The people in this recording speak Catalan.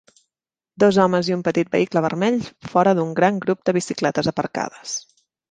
Dos homes i un petit vehicle vermell fora d'un gran grup de bicicletes aparcades.